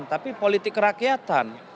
tapi politik kerakyatan